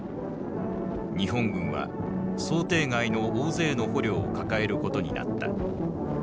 日本軍は想定外の大勢の捕虜を抱えることになった。